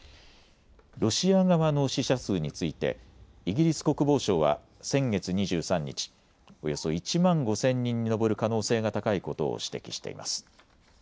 ロシア側の死者数についてイギリス国防省は先月２３日、およそ１万５０００人に上る可能性が高いことを指摘しています。